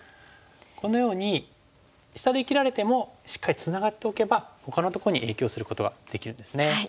このように下で生きられてもしっかりツナがっておけばほかのとこに影響することができるんですね。